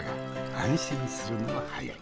安心するのは早い。